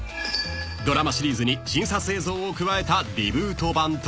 ［ドラマシリーズに新撮映像を加えたリブート版と］